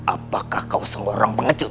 apakah kau seorang pengecut